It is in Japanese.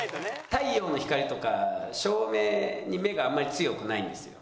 太陽の光とか照明に目があんまり強くないんですよ。